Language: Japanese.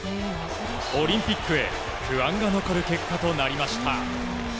オリンピックへ不安が残る結果となりました。